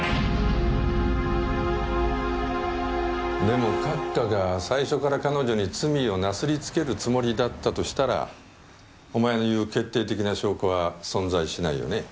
でも閣下が最初から彼女に罪をなすりつけるつもりだったとしたらお前の言う決定的な証拠は存在しないよね。